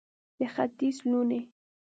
د ختیځ لوڼې